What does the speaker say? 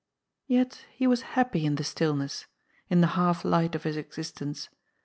Yet he was happy in the stillness — in the half light of his existence.